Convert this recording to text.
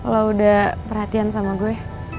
lo udah perhatian sama gue